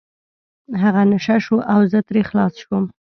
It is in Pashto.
هغه نشه شو او زه ترې خلاص شوم.